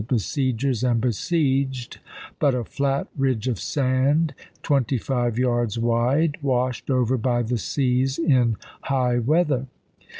besiegers and besieged but a flat ridge of sand twenty five yards wide, washed over by the seas in high weather.